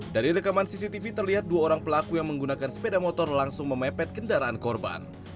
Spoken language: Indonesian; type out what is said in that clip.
dari rekaman cctv terlihat dua orang pelaku yang menggunakan sepeda motor langsung memepet kendaraan korban